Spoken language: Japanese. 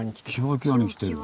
キワキワに来てる。